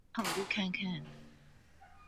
我考慮看看